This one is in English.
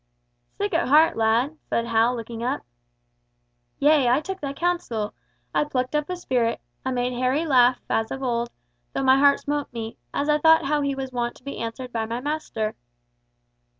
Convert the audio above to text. "Sick at heart, lad," said Hal, looking up. "Yea, I took thy counsel. I plucked up a spirit, I made Harry laugh as of old, though my heart smote me, as I thought how he was wont to be answered by my master.